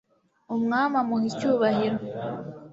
umwami amuha icyubahiro